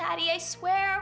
ayah saya janji